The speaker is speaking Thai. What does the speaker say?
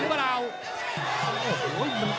เจ้าสองเจ้าสอง